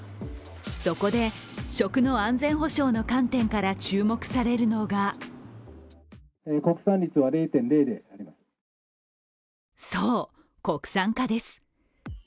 そこで食の安全保障の観点から注目されるのがそう、国産化です。